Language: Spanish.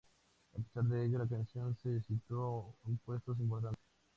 A pesar de ello, la canción se situó en puestos importantes.